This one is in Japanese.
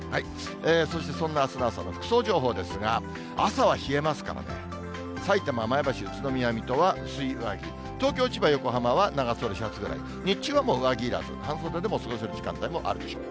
そしてそんなあすの朝の服装情報ですが、朝は冷えますからね、さいたま、前橋、宇都宮、水戸は薄い上着、東京、千葉、横浜は長袖シャツぐらい、日中はもう上着いらず、半袖で過ごせる時間帯もあるでしょう。